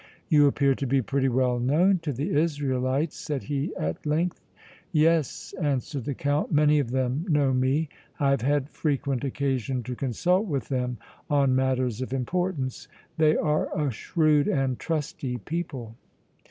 "You appear to be pretty well known to the Israelites," said he, at length. "Yes," answered the Count, "many of them know me. I have had frequent occasion to consult with them on matters of importance. They are a shrewd and trusty people."